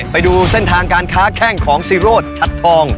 ไปดูเส้นทางการค้าแข้งของซีโรธชัดทอง